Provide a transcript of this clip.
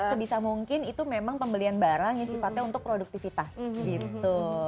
sebisa mungkin itu memang pembelian barang yang sifatnya untuk produktivitas gitu